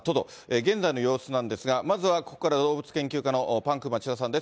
現在の様子なんですが、まずはここからは、動物研究家のパンク町田さんです。